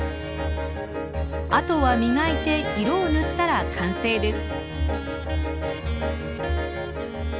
あとは磨いて色を塗ったら完成です。